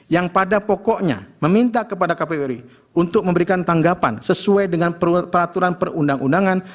yang pada pokoknya meminta kepada kpu ri untuk memberikan tanggapan sesuai dengan peraturan perundang undangan